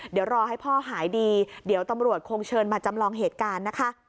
เดี๋ยวรอให้พ่อหายดีเดี๋ยวตำรวจคงเชิญมาจำลองเหตุการณ์นะคะ